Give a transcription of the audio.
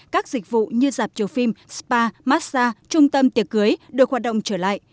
các dịch vụ như dạp chiếu phim spa massage trung tâm tiệc cưới được hoạt động trở lại